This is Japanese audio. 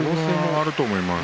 あると思います。